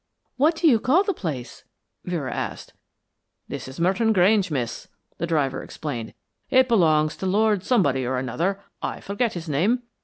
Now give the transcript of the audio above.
"What do you call the place?" Vera asked. "This is Merton Grange, miss," the driver explained. "It belongs to Lord Somebody or another, I forget his name.